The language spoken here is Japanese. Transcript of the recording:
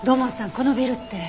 このビルって。